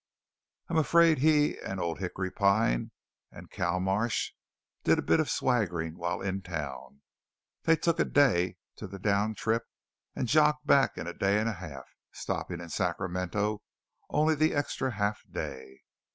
I am afraid he and Old Hickory Pine and Cal Marsh did a bit of swaggering while in town. They took a day to the down trip, and jogged back in a day and a half, stopping in Sacramento only the extra half day.